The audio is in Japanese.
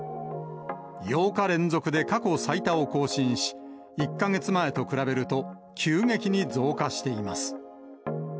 ８日連続で過去最多を更新し、１か月前と比べると、急激に急激に増加しています。